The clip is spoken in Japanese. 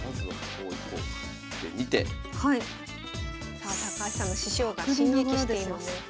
さあ高橋さんの獅子王が進撃しています。